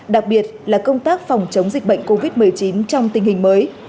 đặc biệt là công tác phòng chống dịch bệnh covid một mươi chín trong tình hình mới